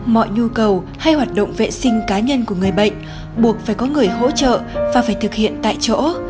mọi nhu cầu hay hoạt động vệ sinh cá nhân của người bệnh buộc phải có người hỗ trợ và phải thực hiện tại chỗ